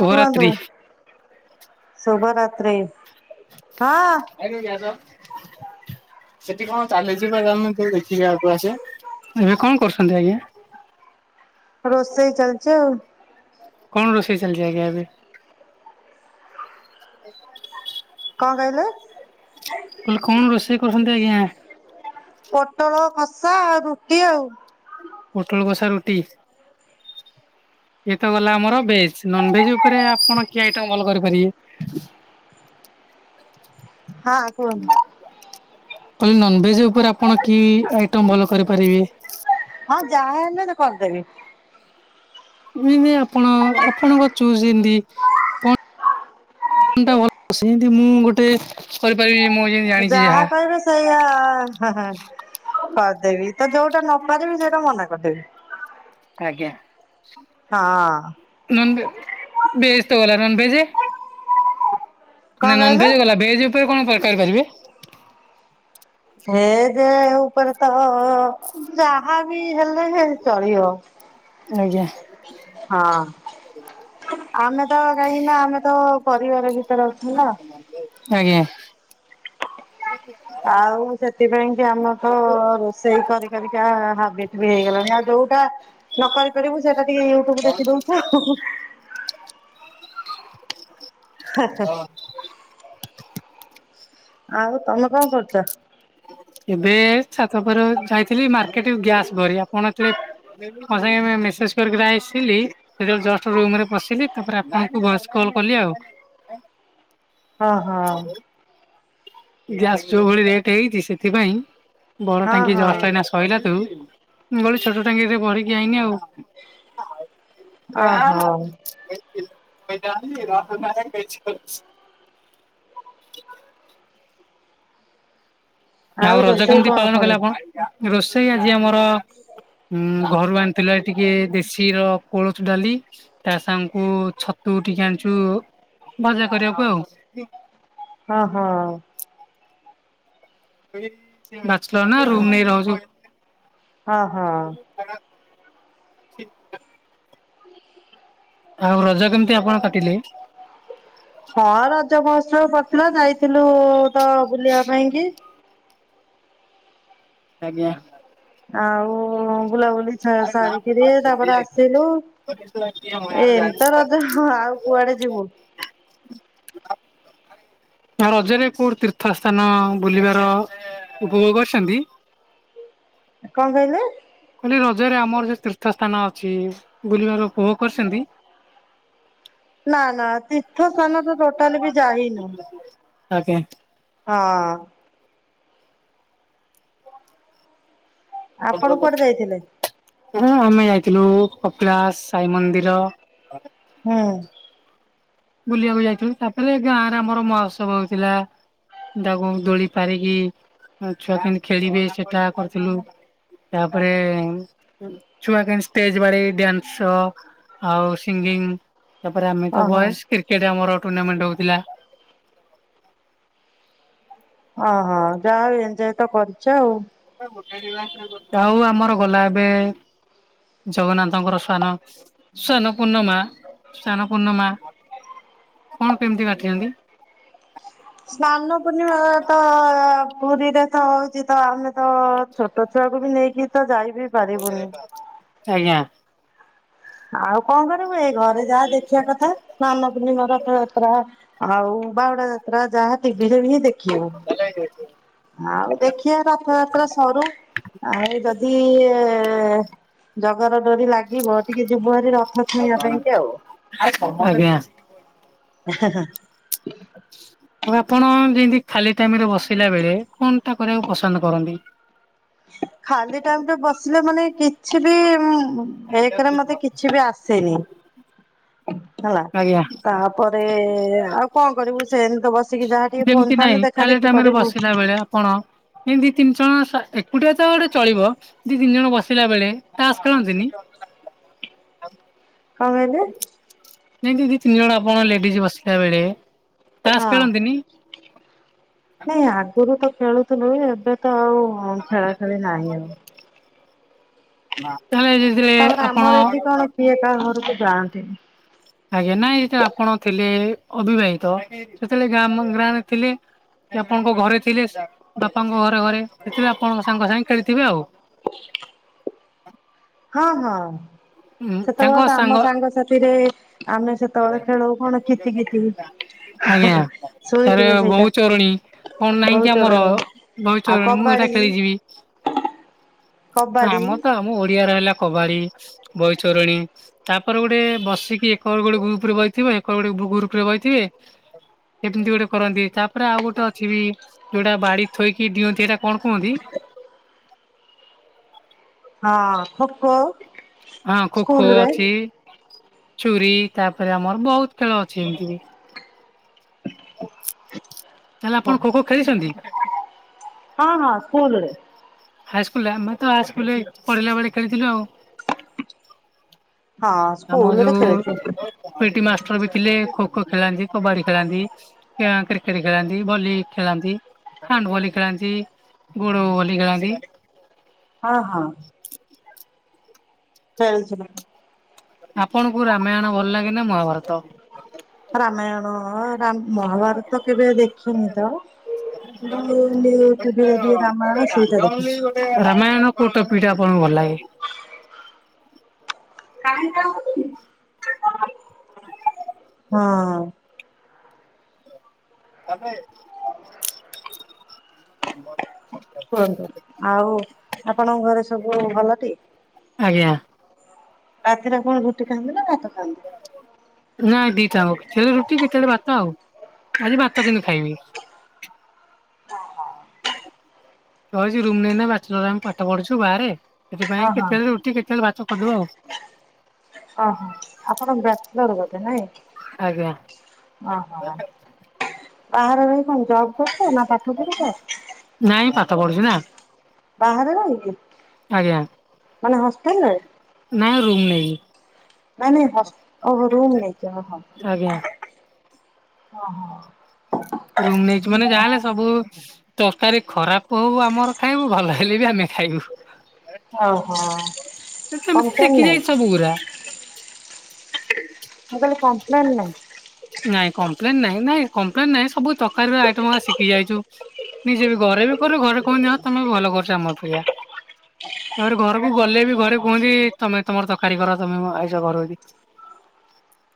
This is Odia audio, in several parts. ହଁ କୁହନ୍ତୁ ଶୁଭରାତ୍ରି ଶୁଭରାତ୍ରି ହଁ। [unintelligible] ଏବେ କଁ କରୁଛନ୍ତି ଆଜ୍ଞା। ରୋଷେଇ ଚାଲଚି ଆଉ। କଣ ରୋଷେଇ ଚାଲଲି ଆଜ୍ଞା ଏବେ। [unintelligible] କଁ କହିଲେ। ମୁଁ କଇଲି କଣ ରୋଷେଇ କରୁଛନ୍ତି ଆଜ୍ଞା। ପୋଟଳ କଷା ଆଉ ରୁଟି ଆଉ। ପୁଟଳ କଷା ରୁଟି। ଇଏ ତ ଗଲା ଆମର ଭେଜ୍ ନନ୍ ଭେଜ୍ ଉପରେ ଆପଣ କିଏ ଆଇଟମ୍ ଭଲ କରିପାରିବେ। [unintelligible] ହଁ କୁହନ୍ତୁ। କହିଲି ନନଭେଜ୍ ଉପରେ ଆପଣ କି ଆଇଟମ ଭଲ କରିପାରିବେ। ହଁ ଯାହା ହେଲେ ଯେ କରିଦେବି। ମୁଁ ଯେଁତି ଏଇ ଆପଣ ଆପଣଙ୍କ ଚୁଯ ଯେଏଁତି ‌। କଣ୍ ଟା ଭଲ ସେମତି ମୁଁ ଗୋଟେ କରିପାରିବି ମୋ ଇଏ ଯାହା କହିବେ ସେଇଆ ହା ହା କରିଦେବି ତ ଯୋଉଟା ନପାରିବି ସେଇଟା ମନା କରିଦେବି। ଆଜ୍ଞା। ହଁ। ନନ୍ ବେ ଭେଜ୍ ତ ଗଲା ନନ୍ ଭେଜେ। ନା କଣ ନନ୍ କହିଲେ ଭେଜ ଗଲା ଭେଜ୍ ଉପରେ କଣ ପ କରିପାରିବେ। ଭେ ଯେ ଉପରେ ତ ଯାହା ବି ହେଲେ ଭେଜ ଚଳିବ। ଆଜ୍ଞା। ହଁ ଆମେ ତ କାହିଁକି ନା ଆମେ ତ ପରିବାର ଭି ଆଜ୍ଞା। [unintelligible] ଆଉ ସେଥିପାଇଁ କି ଆମ ତ ରୋଷେଇ କରି କରିକା ହା ବିଟ ବି ହେଇଗଲାଣି ଆଉ ଯୋଉଟା ନ କରିପାରିବୁ ସେଟା ଟିକେ ୟୁଟୁବ ଦେଖି ଦଉଚୁ ଆଉ ହୁ ହୁ। ହେ ହେ। ଆଉ ତମେ କଣ କରୁଚ। ଏବେ ଛାତ ଉପରେ ଯାଇଥିଲି ମାର୍କେଟ ଗ୍ୟାସ ଭରି ଆପଣ ଯେତେବେଳେ। ମୋ ସାଙ୍ଗେ ମେସେଜ୍ କରିକି ଆସିଲି‌। ସେତେ ବେଳେ ଜଷ୍ଟ ରୁମ୍ ରେ ପସିଲି ତାପରେ ଆପଣଙ୍କୁ ଭଏସ୍ କଲ୍ କଲି ଆଉ। ଓ‌ ହ। ଗ୍ୟାସ ଯୋଉ ଭଳି ରେଟ୍ ହେଇଚି ସେଥିପାଇଁ ବଡ଼ ହଁ ଟାଙ୍କି ହଁ ଜଷ୍ଟ ଏଇନା କହିଲା ତୁ ମୋର ଛୋଟ ଟାଙ୍କିରେ ଭରିକି ଆଇନି ଆଉ। ଓହୋ [unintelligible] ଆଉ ରଜ ରୋଷେଇ କେମିତି କଣ ପାଳନ ପୁଣି? କଲେ ଆପଣ ରୋଷେଇ ଆଜି ଆମର ଉ ଘରୁ ଆଣି ଥିଲା ଟିକେ ଦେଶୀର କୋଳଥ ଡ଼ାଲି ତା ସାଙ୍ଗଙ୍କୁ ଛତୁ ଟିକେ ଆଣିଛୁ ଭଜା କରିବାକୁ ଆଉ। ହଁ ହଁ। ମାଷ୍ଟର ନା ରୁମ୍ ନେଇ ରହୁଛୁ। ହଁ ହଁ। [unintelligible] ଆଉ ରଜ କେମିତି ଆପଣ କାଟିଲେ? ହଁ ରଜ ମହୋତ୍ସବ ପଡ଼ିଥିଲା ଯାଇଥିଲୁ ତ ବୁଲିବା ପାଇଁ କି? ଆଜ୍ଞା। ଆଉ ବୁଲାବୁଲି ସା ସାରିକିରି ତାପରେ ଆସିଲୁ ଏମିତ ରଜ ହଁ ଆଉ କୁଆଡ଼େ ଯିବୁ? ଆଉ ରଜରେ କୋଉଠି ତୀର୍ଥ ସ୍ଥାନ ବୁଲିବାର ଉପଭୋଗ କରିଛନ୍ତି? କଣ କହିଲେ? କହଲି ରଜରେ ଆମର ଯୋଉ ତୀର୍ଥ ସ୍ଥାନ ଅଛି ବୁଲିବାର ଉପଭୋଗ କରିଚନ୍ତି। ନା ନା ତୀର୍ଥ ସ୍ଥାନ ତ ଟୋଟାଲି ବି ଯାଇନୁଁ। ଆଜ୍ଞା। ହଁ। ଆପଣ କୁଆଡେ ଯାଇଥିଲେ? ହ ଆମେ ଯାଇଥିଲୁ କପିଳାଶ ସାଇ ମନ୍ଦିର। ହୁଁ। ବୁଲିବାକୁ ଯାଇଥିଲୁ ତାପରେ ଗାଁ ରେ ଆମର ମହୋତ୍ସବ ହଉଥିଲା। ତାକୁଙ୍କୁ ଦୋଳି ପାରିକି ଛୁଆ କେମିତି ଖେଳିବେ ସେଟା କରିଥିଲୁ। ତାପରେ ଛୁଆ କ ଷ୍ଟେଜ ବାଳି ଡ୍ୟାନ୍ସ ଆଉ ସିଙ୍ଗିଗ୍। ତାପରେ ଆମେ ତ ଓହୋ ବୟସ କ୍ରିକେଟ ଆମର ଟୁର୍ଣ୍ଣାମେଣ୍ଟ ହଉଥିଲା। ଓହଁ ଯାହା ହ ଏନ୍ ଯ ତ କରିଛ ଆଉ। ଗୋ ଆଉ ଆମର ଗଲା ଏବେ ଜଗନ୍ନାଥଙ୍କର ସ୍ଵାନ ସ୍ଵାନ ପୂର୍ଣ୍ଣମା ସ୍ଵାନ ପୂର୍ଣ୍ଣମା। କଣ କେମିତି କାଟିଛନ୍ତି? ସ୍ନାନ ପୂର୍ଣିମା ତ ପୁରୀରେ ତ ହଉଚି ତ ଆମେ ତ ଛୋ ଟ ଛୁଆକୁବି ନେଇକି ତ ଯାଇବି ଆଜ୍ଞା। ଆଉ କଣ କରିବୁ ଏଇ ଘରେ ଯାହା ଦେଖିବା କଥା ସ୍ନାନ ପୂର୍ଣ୍ଣିମା ରଥଯାତ୍ରା। ଆଉ ବାହୁଡା ଯାତ୍ରା ଯାହା ଟିଭି ରେ ହିଁ ଦେଖିବୁ। ଆଉ ଦେଖିବା ରଥଯାତ୍ରା ସରୁ। ଆଉ ଯଦି ଜଗାର ଡୋରି ଲାଗିବ ଟିକେ ଯୁବୁଆ ରେ ରଥ ଛୁଇଁବା ପାଇଁ କି ଆଉ। ଆଜ୍ଞା। [unintelligible] ଆଉ ଆପଣ ଯେମିତି ଖାଲି ଟାଇମ ରେ ବସିଲା ବେଳେ କଣ ଟା କରିବାକୁ ପସନ୍ଦ କରନ୍ତି? ଖାଲି ଟାଇମ ରେ ବସିଲେ ମାନେ କିଛି ବି ଉଁ ଏ କରେ ମତେ କିଛି ବି ଆସେନି। ହେଲା ଆଜ୍ଞା ତାପରେ ଆଉ କଣ କରିବୁ ସେମିତି ତ ବସିକି ଯାହା ଟିକେ ଫୋନ ଯେମିତି ଫାନ ନାଇଁ ଦେଖା କାଲି ଦେଖି ଟାଇମରେ କରିବୁ। ବସିଲା ବେଳେ ଆପଣ ଏ ଦି ତିନି ଜଣ ଏକୁଟିଆ ତ ଗୋଟେ ଚଳିବ ଦି ତିନି ଜଣ ବସିଲା ବେଳେ ଟାସ୍ ଖେଳନ୍ତିନି। କଣ କହିଲେ? ନାଇଁ ଦି ତିନି ଜଣ ଆପଣ ଲେଡିଜ ବସିଲା ବେଳେ ତାସ ହଁ ଖେଳନ୍ତିନି ନାଇଁ ଆଗରୁ ତ ଖେଳୁଥୁଲୁ ଏବେ ତ ଆଉ ଆଉ ଖେଳା ଖେଳି ନାହିଁ ଆଉ ତାହଲେ ଯେଥିରେ ତାପରେ ଆପଣ ଆମର ଏଠି କଣ କିଏ କାହା ଘରକୁ ଯାଆନ୍ତିନି। ଆଜ୍ଞା ନାଇଁ ଯେତେବେଳେ ଆପଣ ଥିଲେ ଅବିବାହିତ ସେତେବେଳେ ଗାମ ଗ୍ରାମେ ଥିଲେ। ଆପଣଙ୍କ ଘରେ ଥିଲେ ବାପାଙ୍କ ଘରେ ଘରେ ସେଥିପାଇଁ ଆପଣଙ୍କ ସାଙ୍ଗ ସାଙ୍ଗେ ଖେଳିଥିବେ ଆଉ। ହଁ ହଁ ଉଁ ତାଙ୍କ ସେତେବେଳେ ତ ସାଙ୍ଗ ଆମ ସାଙ୍ଗସାଥିରେ ଆମେ ସେତବେଳେ ଖେଳୁ କଣ କିତି କିତି ହି ହି ଆଜ୍ଞା ହି ତାରେ ଶୁଣିଥିବେ ବୋହୁ ସେଇଟା। ଚୋରଣୀ କଣ ନାହିଁ କି ବହୁ ଆମର ଚୋରଣୀ ଆଉ ବହିଚୋରଣୀ ମୁଁ ଏଇଟା କବାଡି। ଖେଳିଯିବି କବାଡି ଆମର ତ ଆମ ଓଡିଆ ର ହେଲା କବାଡି ବହିଚୋରଣୀ ତାପରେ ଗୋଟେ ବସିକି ଏକର ଗୋଡ଼ ଗୁପରେ ବଇଥିବେ ହେକରେ ଗୋଟେ ଗୁପରେ ବଇଥିବେ ଏମିତି ଗୋଟେ କରନ୍ତି ତାପରେ ଆଉ ଗୋଟେ ଅଛି ବି ଯଉଟା ବାଡି ଥୋଇକି ଡିଅନ୍ତି ହେଟା କଣ କୁହନ୍ତି? ହଁ ଖୋଖୋ। ହଁ ଖୋଖୋ ଅଛି ଛୁରୀ ତାପରେ ଆମର ବହୁତ ଖେଳ ଅଛି ଏମିତି ବି। ତାହେଲେ ହଁ ଆପଣ ଖୋ ଖୋ ଖେଳିଛନ୍ତି? ହଁ ହଁ ସ୍କୁଲରେ। ହାଇସ୍କୁଲରେ ଆମେ ତ ହାଇସ୍କୁଲ ରେ ପଢିଲା ବେଳେ ଖେଳିଥିଲୁ ଆଉ। ହଁ ଆମ ସ୍କୁଲରେ ଯୋଉ ଖେଳିଛୁ ପିଟି ମାଷ୍ଟର ବି ଥିଲେ ଖୋ ଖୋ ଖେଳାନ୍ତି କବାଡି ଖେଳାନ୍ତି। କ୍ରିକେଟ ଖେଳାନ୍ତି ଭଲି ଖେଳାନ୍ତି। ହାଣ୍ଡ ଭଲି ଖେଳାନ୍ତି ଗୋଡ ଭଲି ଖେଳାନ୍ତି। ହଁ ହଁ। [unintelligible] ଆପଣଙ୍କୁ ରାମାୟଣ ଭଲ ଲାଗେ ନା ମହାଭାରତ? ରାମାୟଣ ରାମ ମହାଭାରତ କେବେ ଦେଖିନି ତ। ଯଉ ନିୟୁ ଟିଭି ରେ ଦିଏ ରାମାୟଣ ସେଇଟା ଦେଖିଛୁ। ରାମାୟଣ କୋଉ ଟପିକ୍ ଟା ଆପଣଙ୍କୁ ଭଲ ଲାଗେ। [unintelligible] ହଁ ଅଁ। ତାବେ [unintelligible] କୁହନ୍ତୁ ଆଉ ଆପଣଙ୍କ ଘରେ ସବୁ ଭଲଟି। ଆଜ୍ଞା। ରାତିରେ କଣ ରୁଟି ଖାଆନ୍ତି ନା ଭାତ ଖାଆନ୍ତି। ନାଇଁ ଦିଟାଜାଙ୍କ କେତେବେଳେ ରୁଟି କେତେବେଳେ ଭାତ ଆଉ ଆଜି ଭାତ କିନ୍ତୁ ଖାଇବି। [inaudible] ରୁମ ନେଇ କିନା ପାଠ ପଢୁଛୁ ବାହାରେ ହଁ ସେଥିପାଇଁ ହଁ। କେତେବେଳେ ରୁଟି କେତେବେଳେ ଭାତ କରିଦେଉ ଆଉ। ଅ ହ ଆପଣ ବ୍ୟାଚଲର ବୋଧେ ନାଇଁ। ଆଜ୍ଞା ଓହୋ ବାହାରେ ରହି କଣ ଜବ କରୁଛ ନା ପାଠ ପଢୁଛ? ନାଇଁ ପାଠ ପଢୁଛି ନା। ବାହାରେ ରହିକି ଆଜ୍ଞା ମାନେ ହଷ୍ଟେଲରେ। ନାଇଁ ରୁମ୍ ନେଇକି। ନାଇଁ ନାଇଁ ହସ ଓହୋ ରୁମ୍ ନେଇକି ଓହୋ। ଆଜ୍ଞା। ଓ ହୋ। ରୁମ ନେଇଛି ମାନେ ଯାହାଲେ ସବୁ ତରକାରୀ ଖରାପ ହଉ ଆମର ଖାଇବୁ ଭଲ ହେଲେ ବି ଆମେ ଖାଇବୁ। ଓହୋ କିନ୍ତୁ ମୁଁ କମ୍ପ୍ଲେନ୍ ଶିଖି ନାହିଁ ଯାଇଚି ସବୁ ଗୁରା। ମୁଁ କହିଲି କମ୍ପ୍ଲେନ୍ ନାହିଁ। ନାଇଁ କମ୍ପ୍ଲେନ ନାହିଁ ନାଇଁ, କମ୍ପ୍ଲେନ ନାଇଁ ସବୁ ତରକାରୀର ଆଇଟମ ଗୁରା ଶିଖି ଯାଇଛୁ। ନିଜେ ବି ଘରେ ବି କରେ, ଘରେ କହନ୍ତି ହଁ ତମେ ଭଲ କରୁଛ ଆମ ଅପେକ୍ଷା। ତାପରେ ଘରକୁ ଗଲେ ବି ଘରେ କୁହନ୍ତି ତମେ ତମର ତରକାରୀ କର ତମେ ଆଇଁଷ କର ଯଦି।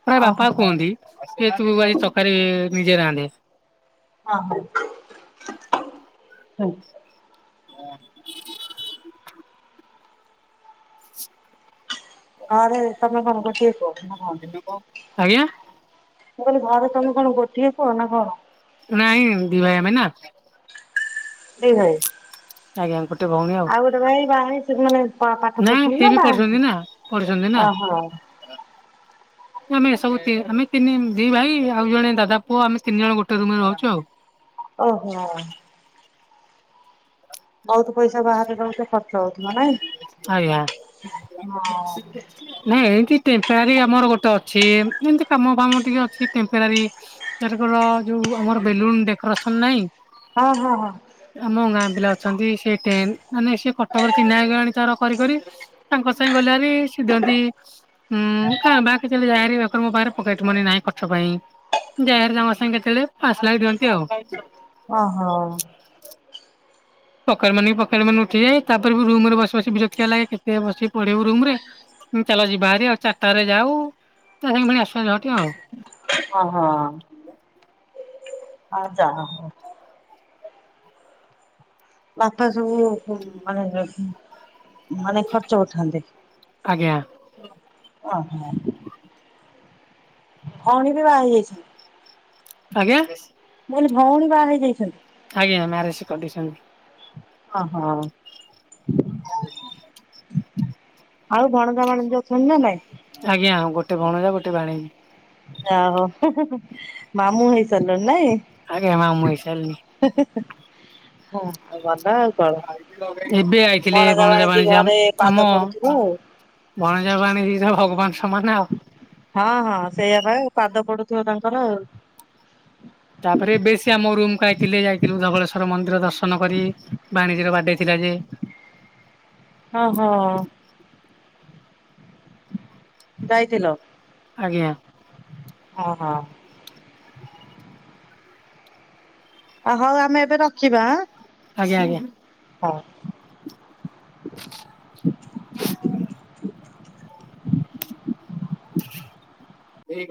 ପ୍ରାୟ ଓହୋ ବାପା କୁହନ୍ତି, କେ ତୁ ଭାଇ ତକାରୀ ନିଜେ ରାନ୍ଧେ। ହଁ ହଁ। ହୁଁ। ହଁ। ହଁରେ ତମେ କଣ ଗୋଟିଏ ପୁଅ? କଣ? ଆଜ୍ଞା। ମୁଁ କହିଲି ଘରେ ତମେ କଣ ଗୋଟିଏ ପୁଅ ନା କଣ? ନାଇଁ, ଦି ଭାଇ ଆମେ ନା। ଦି ଭାଇ। ଆଜ୍ଞା ଗୋଟେ ଭଉଣୀ ଆଉ। ଗୋଟେ ବାହା ହେଇଛନ୍ତି ମାନେ ପା-ପାଠ ପଢ଼ୁଛନ୍ତି ସିଏ ନା, ବି ବାହା ପଢୁଛନ୍ତି ନା ହେଇଛନ୍ତି? ପଢୁଛନ୍ତି ନା ଓହୋ। ଆମେ ଏ ସବୁ ତି ଆମେ ତିନି ଦି ଭାଇ ଆଉ ଜଣେ ଦାଦା ପୁଅ ଆମେ ତିନି ଜଣ ଗୋଟେ ରୁମରେ ରହୁଚୁ ଆଉ। ଓହୋ। ବହୁତ ପଇସା ବାହାରେ ରହୁଛ ଖର୍ଚ୍ଚ ହଉଥିବ ନାଇଁ? ଆଜ୍ଞା। ହଁ। ନାଇଁ ଏନ୍ତି ଟେମ୍ପରାରୀ ଆମର ଗୋଟେ ଅଛି, ଏନ୍ତି ଯେମତି କାମ ଫାମ ଟିକେ ଅଛି ଟେମ୍ପରାରୀ ଏଥରକର ଯୋଉ ଆମର ବେଲୁନ ଡେକୋରେସନ ନାଇଁ ହଁ ହଁ ହଁ। ଆମ ଗାଁ ପିଲା ଅଛନ୍ତି ସେ ଟେନ୍ ମାନେ ସେ କଟକରେ ଚିହ୍ନା ହେଇଗଲାଣି ତାର କରି କରି। ତାଙ୍କ ସାଙ୍ଗେ ଗଲେ ହାରି ସିଏ ଦିଅନ୍ତି ହୁଁ ମୁଁ କାଁ ଭାଁ କେତେବେଳେ ଯାଏ ଭାରି ବାପା ମୋ ପାଖରେ ପକେଟ ମନି ନାହିଁ ଖର୍ଚ୍ଚ ପାଇଁ। ଯାଏ ହାରି ତାଙ୍କ ସାଙ୍ଗେ କେତେବେଳେ, ପାଞ୍ଚ ଲାଖ ଦିଅନ୍ତି ଆଉ। ଓ ହଉ। ପକେଟ ମନିକୁ ପକେଟମନି ଉଠିଯାଏ, ତାପରେ ବି ରୁମରେ ବସି ବସି ବି ବିରକ୍ତିଆ ଲାଗେ। କେତେ ବସି ପଢ଼ିବୁ ରୁମରେ? ଚାଲ ଯିବା ହାରି ଆଉ ଚାରିଟାରେ ଯାଉ, ତା ସାଙ୍ଗେ ପୁଣି ଆସିବା ଝଅଟି ଆଉ। ହଁ ହଁ। ହଉ ଯାଅ। ବାପା ସବୁ ଉ ମାନେ ମାନେ ଖର୍ଚ୍ଚ ଉଠାନ୍ତି। ଆଜ୍ଞା। ଓହୋ। ଭଉଣୀ ବି ବାହା ହେଇଯାଇଛନ୍ତି? ଆଜ୍ଞା? ମୁଁ କହିଲି ଭଉଣୀ ବାହା ହେଇଯାଇଛନ୍ତି? ଆଜ୍ଞା ମ୍ୟାରେଜ୍ କରିଦେଇସନ୍ତି। ହଁ ହୋ। [inaudible] ଆଉ ଭଣଜା ଭାଣିଜୀ ଅଛନ୍ତି ନା ନାଇଁ? ଆଜ୍ଞା, ଗୋଟେ ଭଣଜା ଗୋଟେ ଭାଣିଜୀ। ଯାହା ହଉ, ହୁଁ ହୁଁ ହୁଁ। ମାମୁଁ ହେଇସାରିଲଣି ନାଇଁ? ଆଜ୍ଞା ମାମୁଁ ହେଇସାରିଲିଣି। ହେ ହେ ହେ, ହଁ ଭଲ ଆଉ। କଣ। ଏବେ ଆଇଥିଲେ ଭଣଜା, ଭାଣିଜୀ ଆମ ଘରେ ପାଦ ଆମ ପଡୁଥିବ ଆଉ। ଭଣଜା, ଭାଣିଜୀ ତ ଭଗବାନ ସମାନ ଆଉ। ହଁ ହଁ ସେଇଆ ବା ପାଦ ପଡୁଥିବ ତାଙ୍କର ଆଉ। ତାପରେ ଏବେ ଶୀଏ ଆମ ରୁମକୁ ଆଇଥିଲେ ଯାଇଥିଲୁ ଧବଳେଶ୍ୱର ମନ୍ଦିର ଦର୍ଶନ କରି। ଭାଣିଜୀ ର ବାର୍ଥଡେ ଥିଲା। ଓ ହୋ। ଯାଇଥିଲ? ଆଜ୍ଞା। ଓ ହଁ। ଆ ହଉ ଆମେ ଏବେ ରଖିବା। ଆଜ୍ଞା ଆଜ୍ଞା। ହଁ। [inaudible] [inaudible]